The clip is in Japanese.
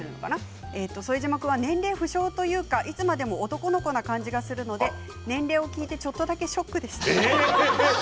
副島君は年齢不詳というかいつまでも男の子のような感じがするので、年齢を聞いてちょっとだけショックでした。